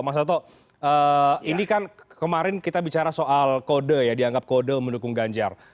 mas toto ini kan kemarin kita bicara soal kode ya dianggap kode mendukung ganjar